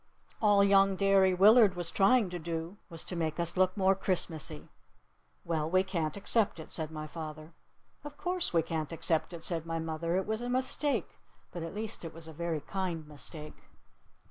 All young Derry Willard was trying to do was to make us look more Christmassy!" "Well, we can't accept it!" said my father. "Of course we can't accept it!" said my mother. "It was a mistake. But at least it was a very kind mistake."